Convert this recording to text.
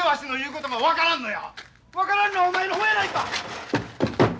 ・分からんのはお前の方やないか！